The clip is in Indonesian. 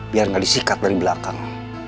biar nggak disikat dari belakang